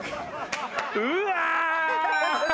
うわ。